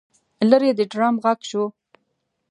لرې د ډرم غږ شو.